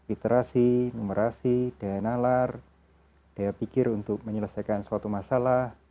literasi numerasi daya nalar daya pikir untuk menyelesaikan suatu masalah